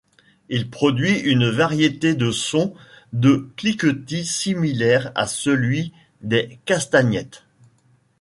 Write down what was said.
Il produit une variété de sons de cliquetis similaires à celui des castagnettes.